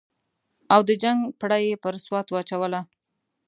او د جنګ پړه یې پر سوات واچوله.